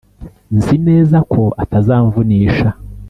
Nzi neza ko atazamvunisha